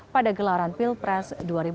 pada gelaran pilpres dua ribu dua puluh empat